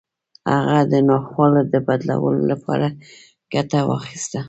هغه د ناخوالو د بدلولو لپاره ګټه واخيسته.